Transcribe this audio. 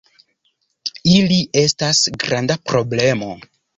Ili estas granda problemo.